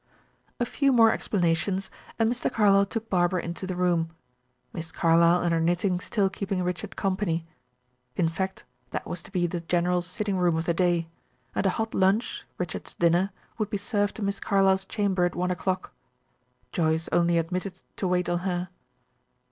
A few more explanations, and Mr. Carlyle took Barbara into the room, Miss Carlyle and her knitting still keeping Richard company. In fact, that was to be the general sitting room of the day, and a hot lunch, Richard's dinner, would be served to Miss Carlyle's chamber at one o'clock. Joyce only admitted to wait on her.